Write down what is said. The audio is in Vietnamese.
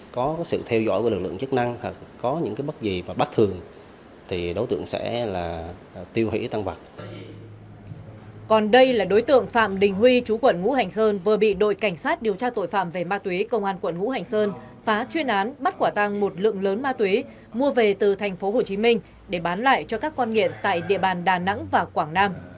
còn đây là đối tượng phạm đình huy chú quận ngũ hành sơn vừa bị đội cảnh sát điều tra tội phạm về ma túy công an quận ngũ hành sơn phá chuyên án bắt quả tàng một lượng lớn ma túy mua về từ tp hcm để bán lại cho các con nghiện tại địa bàn đà nẵng và quảng nam